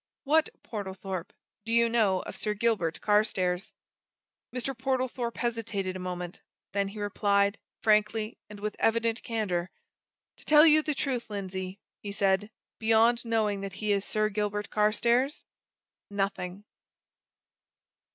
What, Portlethorpe, do you know of Sir Gilbert Carstairs?" Mr. Portlethorpe hesitated a moment. Then he replied, frankly and with evident candour. "To tell you the truth, Lindsey," he said, "beyond knowing that he is Sir Gilbert Carstairs nothing!"